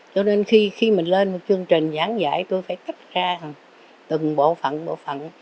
cho nên khi mình lên một chương trình giảng dạy tôi phải cắt ra từng bộ phận